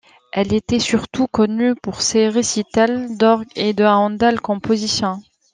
Elle était surtout connue pour ses récitals d'orgue de Haendel compositions.